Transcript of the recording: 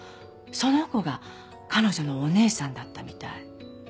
その子が彼女のお姉さんだったみたい。